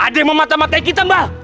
ada yang memata matai kita mbak